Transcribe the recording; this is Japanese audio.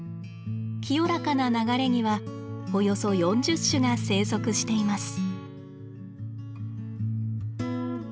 清らかな流れにはおよそ４０種が生息しています。